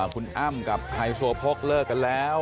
คุณอ้ำกับไฮโซโพกเลิกกันแล้ว